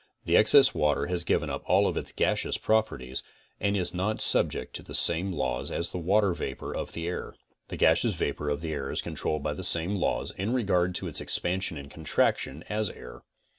The excess water has given up all its gaseous properties and is not subject to the same laws as the water vapor cf the air. The gaseous vapor of the air is controlled by the same laws, in regard to its expansion and contraction as air.